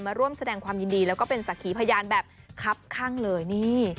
มาร่วมแสดงความยินดีแล้วก็เป็นสักขีพยานแบบคับข้างเลยนี่